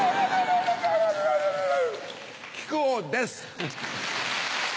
木久扇です！